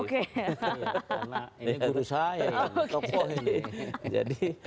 karena ini guru saya